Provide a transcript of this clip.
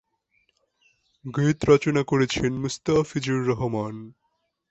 গীত রচনা করেছেন মুস্তাফিজুর রহমান।